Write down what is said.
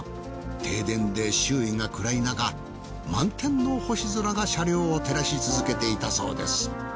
停電で周囲が暗いなか満点の星空が車両を照らし続けていたそうです。